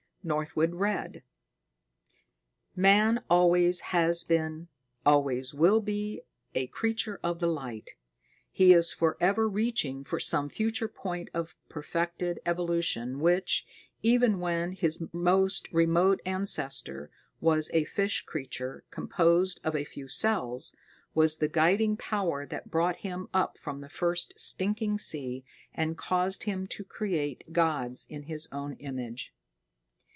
Northwood read: Man always has been, always will be a creature of the light. He is forever reaching for some future point of perfected evolution which, even when his most remote ancestor was a fish creature composed of a few cells, was the guiding power that brought him up from the first stinking sea and caused him to create gods in his own image.